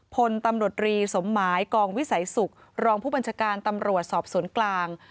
พลตำรวจรีสมหมายกองวิสัยศุกร์รองผู้บัญชาการตำรวจสอบสวนกลาง